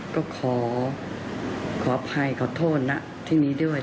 ก็ขออภัยขอโทษนะที่นี้ด้วย